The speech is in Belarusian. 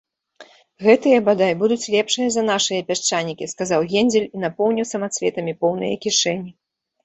- Гэтыя, бадай, будуць лепшыя за нашыя пясчанікі, - сказаў Гензель і напоўніў самацветамі поўныя кішэні